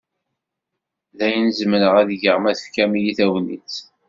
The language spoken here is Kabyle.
D ayen zemreɣ ad geɣ ma tefkam-iyi tagnit.